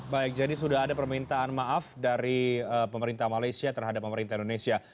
baik jadi sudah ada permintaan maaf dari pemerintah malaysia terhadap pemerintah indonesia